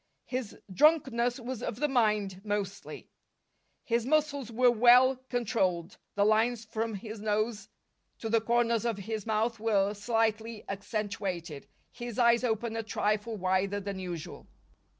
His drunkenness was of the mind, mostly. His muscles were well controlled. The lines from his nose to the corners of his mouth were slightly accentuated, his eyes open a trifle wider than usual.